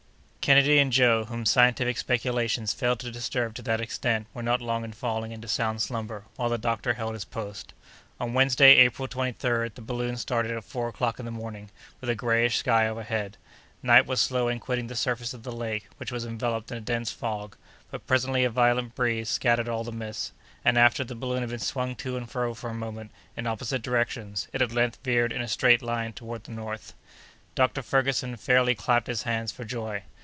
Kennedy and Joe, whom scientific speculations failed to disturb to that extent, were not long in falling into sound slumber, while the doctor held his post. On Wednesday, April 23d, the balloon started at four o'clock in the morning, with a grayish sky overhead; night was slow in quitting the surface of the lake, which was enveloped in a dense fog, but presently a violent breeze scattered all the mists, and, after the balloon had been swung to and fro for a moment, in opposite directions, it at length veered in a straight line toward the north. Dr. Ferguson fairly clapped his hands for joy.